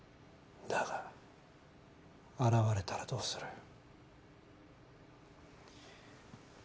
だが現れたらどうする？